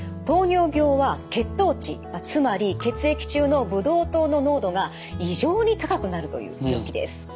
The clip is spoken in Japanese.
糖尿病は血糖値つまり血液中のブドウ糖の濃度が異常に高くなるという病気です。